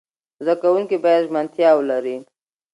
زده کوونکي باید ژمنتیا ولري.